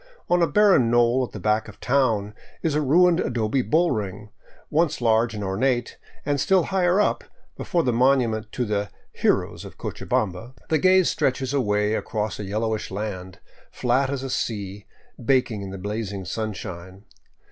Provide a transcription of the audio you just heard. On a barren knoll at the back of the town is a ruined adobe bull ring, once large and ornate, and still higher up, before the monument to the " Heroes of Cocha bamba," the gaze stretches away across a yellowish land, flat as a sea, baking in the blazing sunshine.